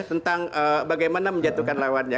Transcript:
tentang bagaimana menjatuhkan lawannya